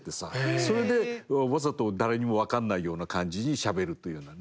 それでわざと誰にも分かんないような感じにしゃべるというようなね。